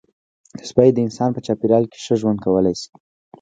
سپي د انسان په چاپېریال کې ښه ژوند کولی شي.